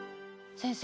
先生